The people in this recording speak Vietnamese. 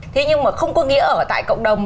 thế nhưng mà không có nghĩa ở tại cộng đồng